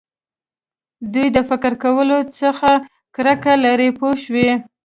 دوی د فکر کولو څخه کرکه لري پوه شوې!.